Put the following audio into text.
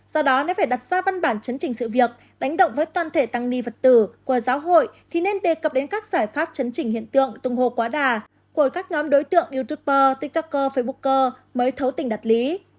do đó nếu phải đặt ra văn bản chấn chỉnh sự việc đánh động với toàn thể tăng ni phật tử của xã hội thì nên đề cập đến các giải pháp chấn chỉnh hiện tượng tung hô quá đa của các nhóm đối tượng youtuber tiktoker facebooker mới thấu tình đặt lý